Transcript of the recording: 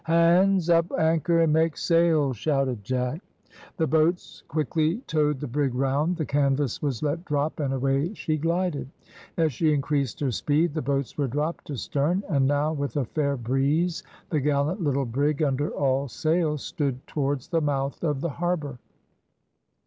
"Hands, up anchor and make sail," shouted Jack. The boats quickly towed the brig round, the canvas was let drop, and away she glided. As she increased her speed, the boats were dropped astern, and now with a fair breeze the gallant little brig under all sail stood towards the mouth of the harbour.